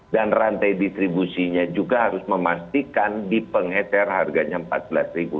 dan rantai distribusinya juga harus memastikan dipengecer harganya rp empat belas